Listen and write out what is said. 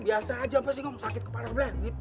biasa aja apa sih ngomong sakit kepala sebelah gitu